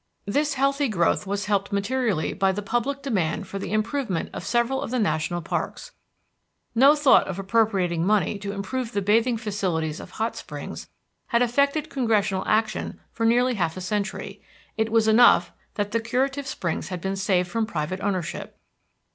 This healthy growth was helped materially by the public demand for the improvement of several of the national parks. No thought of appropriating money to improve the bathing facilities of Hot Springs had affected Congressional action for nearly half a century; it was enough that the curative springs had been saved from private ownership.